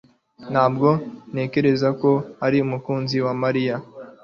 Ntabwo ntekereza ko ari umukunzi wa Mariya